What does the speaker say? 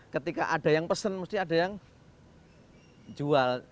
ketika ada yang pesen pasti ada yang jual